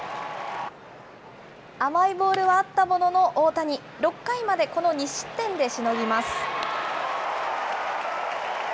甘いボールはあったものの大谷、６回までこの２失点でしのぎます。